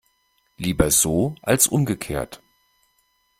Lieber so als umgekehrt.